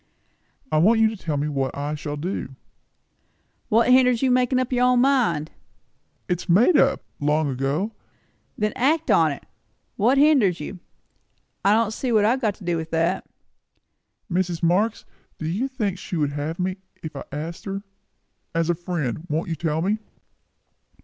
"I want you to tell me what I shall do." "What hinders your making up your own mind?" "It is made up! long ago." "Then act upon it. What hinders you? I don't see what I have got to do with that." "Mrs. Marx, do you think she would have me if I asked her? As a friend, won't you tell me?"